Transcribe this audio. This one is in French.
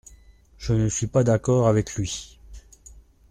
Je ne suis pas d’accord avec lui.